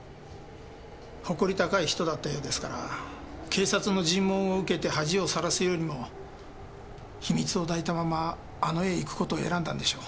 誇り高い人だったようですから警察の尋問を受けて恥をさらすよりも秘密を抱いたままあの世へ行く事を選んだんでしょう。